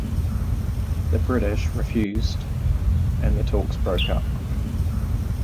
The British refused and the talks broke up.